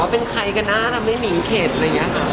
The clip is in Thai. เป็นใครกันนะทำให้มิงเข็ดอะไรอย่างนี้ค่ะ